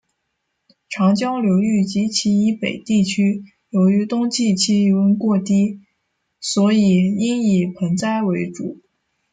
长江流域及其以北地区由于冬季气温过低所以应以盆栽为主。